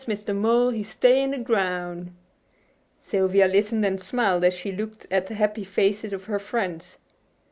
Mr. Mole he stay in de groun' '" Sylvia listened and smiled as she looked at the happy faces of her friends.